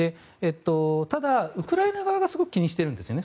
ただ、ウクライナ側がすごく気にしてるんですよね。